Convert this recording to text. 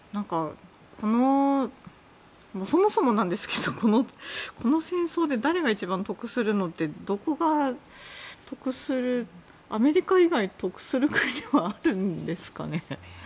そもそもなんですがこの戦争で誰が一番得するのってどこが得するアメリカ以外得する国はあるんですかね？